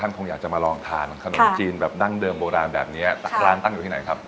คงอยากจะมาลองทานขนมจีนแบบดั้งเดิมโบราณแบบเนี้ยสักร้านตั้งอยู่ที่ไหนครับ